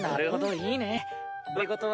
いいね！